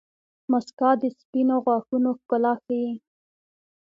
• مسکا د سپینو غاښونو ښکلا ښيي.